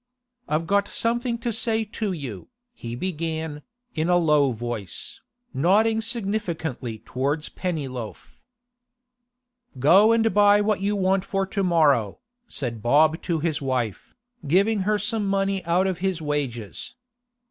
'I've got something to say to you,' he began, in a low voice, nodding significantly towards Pennyloaf. 'Go and buy what you want for to morrow,' said Bob to his wife, giving her some money out of his wages.